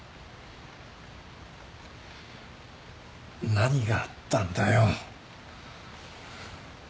何があったんだよ。